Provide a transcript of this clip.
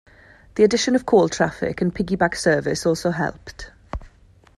The addition of coal traffic and piggyback service also helped.